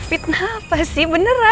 fitnah apa sih beneran